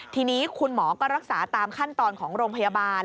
ทีนี้คุณหมอก็รักษาตามขั้นตอนของโรงพยาบาล